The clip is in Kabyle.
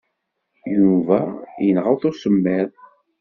Yuba yenɣa-t usemmiḍ.